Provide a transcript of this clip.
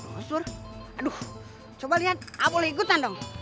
brosur aduh coba liat a a boleh ikutan dong